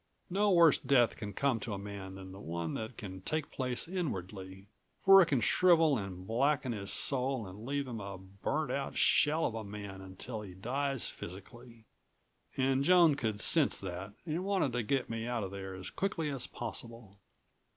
No worse death can come to a man than the one that can take place inwardly, for it can shrivel and blacken his soul and leave him a burnt out shell of a man until he dies physically. And Joan could sense that, and wanted to get me out of there as quickly as possible.